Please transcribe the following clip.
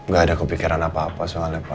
gak ada kepikiran apa apa soal apa